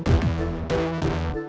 saya tidak sabar